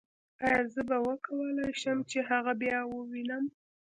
ایا زه به وکولای شم چې هغه بیا ووینم